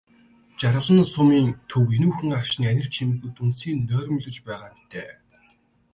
Жаргалан сумын төв энүүхэн агшны анир чимээгүйд дүнсийн нойрмоглож байгаа мэтээ.